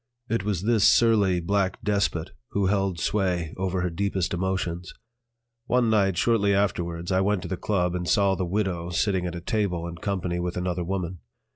It was this surly, black despot who held sway over her deepest emotions. One night, shortly afterwards, I went into the "Club" and saw the "widow" sitting at a table in company with another woman.